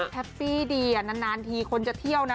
แฮปปี้ดีนานทีคนจะเที่ยวนะ